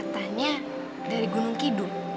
katanya dari gunung kidul